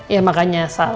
ya makanya sal